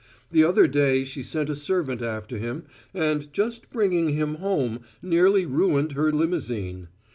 The other day she sent a servant after him, and just bringing him home nearly ruined her limousine.